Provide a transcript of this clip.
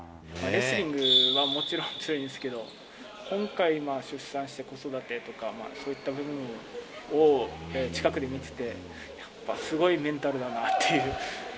レスリングはもちろん強いんですけど、今回、出産して子育てとか、そういった部分を近くで見てて、やっぱすごいメンタルだなっていう。